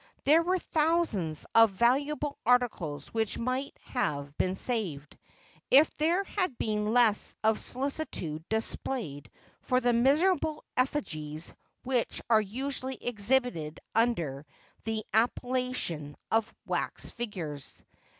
There were thousands of valuable articles which might have been saved, if there had been less of solicitude displayed for the miserable effigies which are usually exhibited under the appellation of "wax figures."